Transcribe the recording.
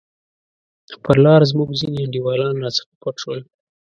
پر لار زموږ ځیني انډیوالان راڅخه پټ شول.